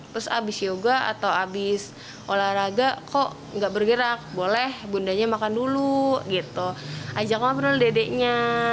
terus habis yoga atau habis olahraga kok nggak bergerak boleh bundanya makan dulu ajaknya benar benar dedeknya